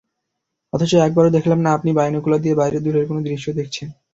অথচ একবারও দেখলাম না, আপনি বাইনোকুলার দিয়ে বাইরে দূরের কোনো দৃশ্য দেখছেন।